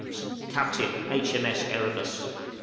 "Captain H.M.S. Erebus.